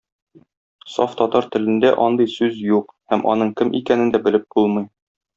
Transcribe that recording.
Саф татар телендә андый сүз юк һәм аның кем икәнен дә белеп булмый.